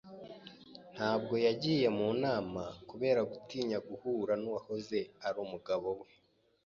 Ntabwo yagiye mu nama kubera gutinya guhura n'uwahoze ari umugabo we.